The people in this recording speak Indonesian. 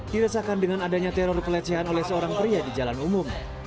dirasakan dengan adanya teror pelecehan oleh seorang pria di jalan umum